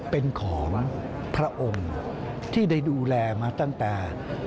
เป็นของพระองค์ที่ได้ดูแลมาตั้งแต่